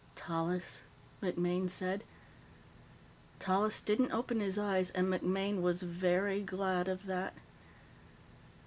"Tallis," MacMaine said. Tallis didn't open his eyes, and MacMaine was very glad of that.